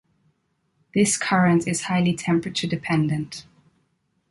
This current is highly temperature dependent.